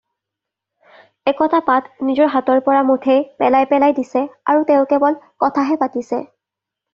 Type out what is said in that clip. একোটা পাত নিজৰ হাতৰ পৰা মুঠেই পেলাই পেলাই দিছে আৰু তেওঁ কেৱল কথাহে পাতিছে।